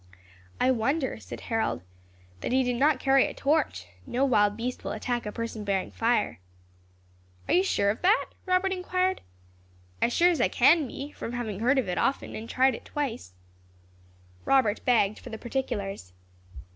"I wonder," said Harold, "that he did not carry a torch; no wild beast will attack a person bearing fire." "Are you sure of that?" Robert inquired. "As sure as I can be, from having heard of it often, and tried it twice." Robert begged for the particulars.